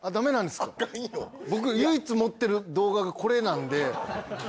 僕唯一持ってる動画がこれなんで。